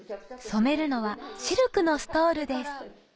染めるのはシルクのストールです